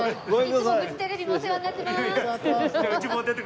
いつもフジテレビもお世話になってます。